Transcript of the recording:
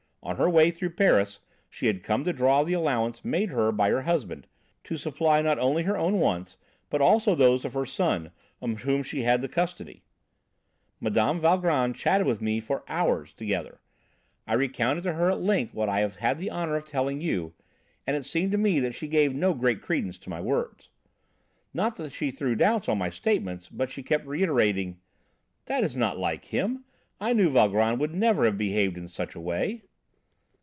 On her way through Paris, she had come to draw the allowance made her by her husband, to supply not only her own wants, but also those of her son, of whom she had the custody. Mme. Valgrand chatted with me for hours together. I recounted to her at length what I have had the honour of telling you, and it seemed to me that she gave no great credence to my words. "Not that she threw doubts on my statements, but she kept reiterating, 'That is not like him; I know Valgrand would never have behaved in such a way!'